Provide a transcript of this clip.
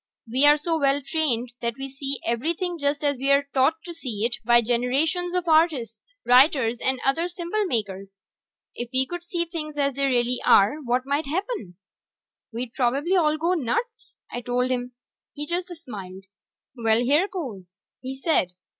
We are so well trained that we see everything just as we are taught to see it by generations of artists, writers, and other symbol makers. If we could see things as they really are, what might happen?" "We'd probably all go nuts!" I told him. He just smiled. "Well, here goes," he said.